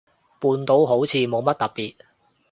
半島好似冇乜特別